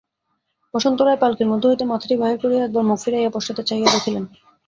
বসন্ত রায় পাল্কীর মধ্য হইতে মাথাটি বাহির করিয়া একবার মুখ ফিরাইয়া পশ্চাতে চাহিয়া দেখিলেন।